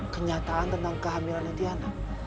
kenyataan tentang kehamilannya tiana